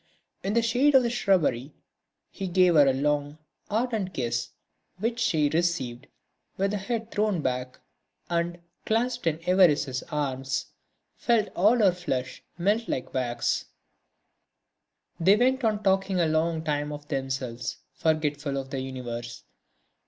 In the shade of the shrubbery he gave her a long, ardent kiss, which she received with head thrown back and, clasped in Évariste's arms, felt all her flesh melt like wax. They went on talking a long time of themselves, forgetful of the universe.